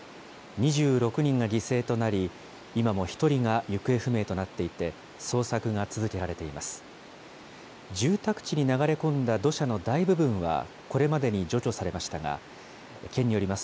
２６人が犠牲となり、今も１人が行方不明となっていて、捜索が続けられています。